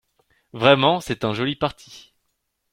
Vraiment c’est un joli parti !